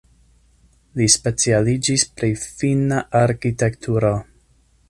Li specialiĝis pri la finna arkitekturo.